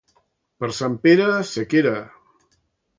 Per Sant Pere, sequera.